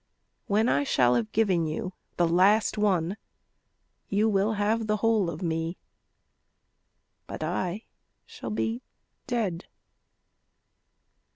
When I shall have given you the last one, You will have the whole of me, But I shall be dead.